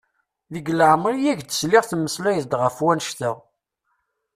Deg leɛmer i ak-d-sliɣ temmmeslayeḍ-d ɣef wannect-a!